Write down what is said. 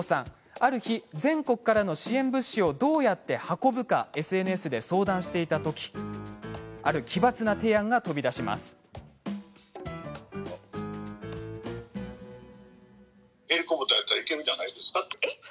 ある日、全国からの支援物資をどうやって運ぶかＳＮＳで相談していたときある奇抜な提案が飛び出します。